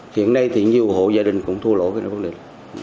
hiện nay thì nhiều hộ gia đình cũng thua lỗ cái nông dân